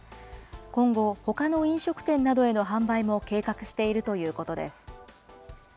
今後、ほかの飲食店などへの販売も計画しているということです。